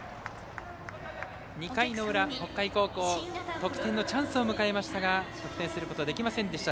２回の裏、北海高校得点のチャンスを迎えましたが得点することができませんでした。